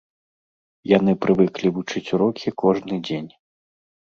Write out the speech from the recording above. Яны прывыклі вучыць урокі кожны дзень.